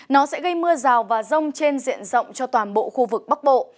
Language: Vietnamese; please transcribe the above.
nó sẽ gây mưa rào và rông trên diện rộng cho toàn bộ khu vực bắc bộ